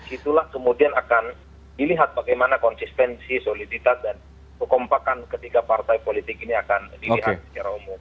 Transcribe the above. itulah kemudian akan dilihat bagaimana konsistensi soliditas dan kekompakan ketiga partai politik ini akan dilihat secara umum